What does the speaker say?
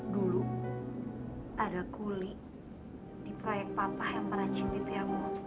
dulu ada kuli di proyek papa yang pernah cinti piamo